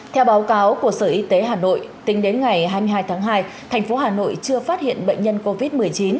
theo báo cáo của sở y tế hà nội tính đến ngày hai mươi hai tháng hai thành phố hà nội chưa phát hiện bệnh nhân covid một mươi chín